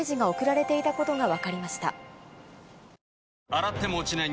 洗っても落ちない